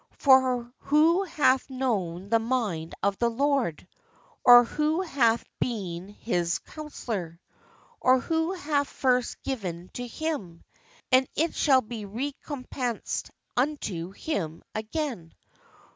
For who hath known the mind of the Lord? or who hath been His counsellor? or who hath first given to Him, and it shall be recompensed unto him again?